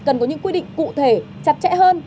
cần có những quy định cụ thể chặt chẽ hơn